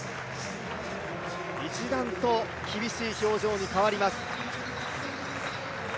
一段と厳しい表情に変わります。